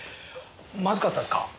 まずかったですか？